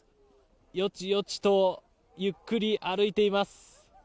ヨチヨチとゆっくり歩いています。